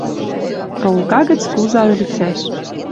Проулка гӹц куза ӧлицӓш...